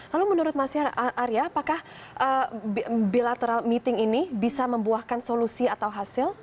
lalu menurut mas arya apakah bilateral meeting ini bisa membuahkan solusi atau hasil